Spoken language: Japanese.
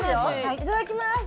いただきます。